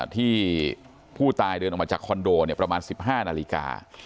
ที่ผู้ตายเดินออกมาจากคอนโดเนี่ยประมาณสิบห้านาฬิกา